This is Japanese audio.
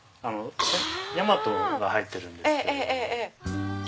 大和が入ってるんです。